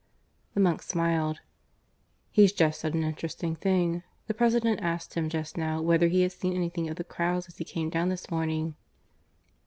The monk smiled. "He's just said an interesting thing. The President asked him just now whether he had seen anything of the crowds as he came down this morning."